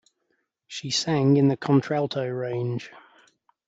She sang in the contralto range.